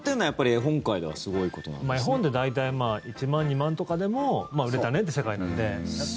絵本って大体１万、２万とかでも売れたねって世界なので。